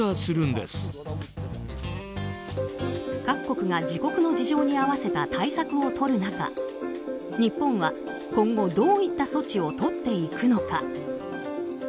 各国が自国の事情に合わせた対策をとる中日本は今後どういった措置をとっていくのか。